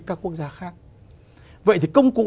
các quốc gia khác vậy thì công cụ